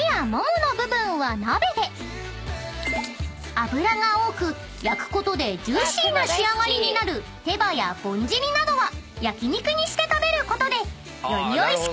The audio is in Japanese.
［脂が多く焼くことでジューシーな仕上がりになる手羽やぼんじりなどは焼き肉にして食べることでよりおいしく］